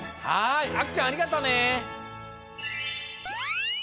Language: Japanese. はい！